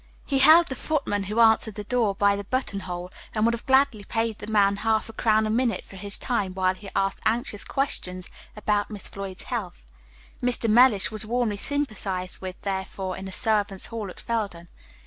He held the footman who answered the door by the button hole, and would have gladly paid the man half a crown a minute for his time while he asked anxious questions about Miss Floyd's health. Mr. Mellish was warmly sympathized with, therefore, in the servants' hall at Felden.